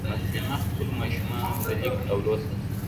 مسلیمه خپلو ماشومانو ته لیک او لوست زده کوي